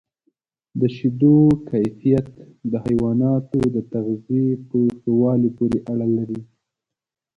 د شیدو کیفیت د حیواناتو د تغذیې په ښه والي پورې اړه لري.